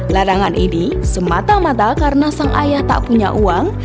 larangan ini semata mata karena sang ayah tak punya uang